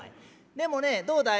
でもねどうだい？